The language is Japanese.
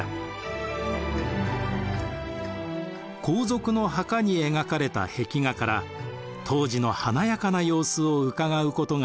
皇族の墓に描かれた壁画から当時の華やかな様子をうかがうことができます。